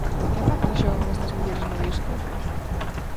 Que papel xogan estas mulleres no disco?